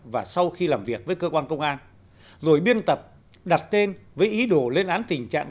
và sau khi làm việc với cơ quan công an rồi biên tập đặt tên với ý đồ lên án tình trạng